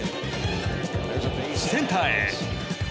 センターへ。